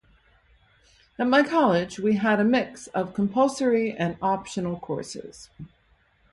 At my college, we had a mix of compulsory and optional courses.